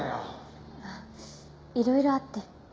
あっいろいろあって。